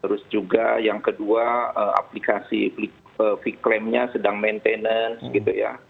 terus juga yang kedua aplikasi klaimnya sedang maintenance gitu ya